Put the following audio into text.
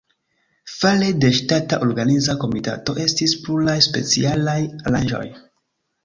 Fare de ŝtata organiza komitato estis pluraj specialaj aranĝoj.